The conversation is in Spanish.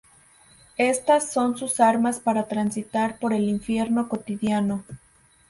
Estas son sus armas para transitar por el infierno cotidiano...